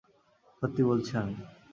সত্যি বলছি আমি।